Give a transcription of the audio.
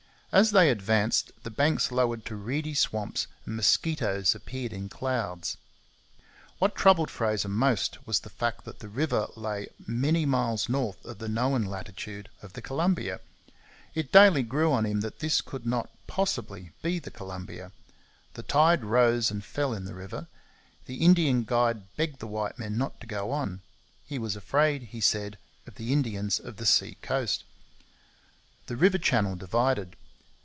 As they advanced, the banks lowered to reedy swamps and mosquitoes appeared in clouds. What troubled Fraser most was the fact that the river lay many miles north of the known latitude of the Columbia. It daily grew on him that this could not possibly be the Columbia. The tide rose and fell in the river. The Indian guide begged the white men not to go on; he was afraid, he said, of the Indians of the sea coast. The river channel divided.